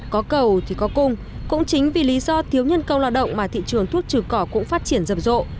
có cầu thì có cung cũng chính vì lý do thiếu nhân công lao động mà thị trường thuốc trừ cỏ cũng phát triển rầm rộ